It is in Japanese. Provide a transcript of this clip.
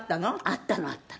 「あったのあったの」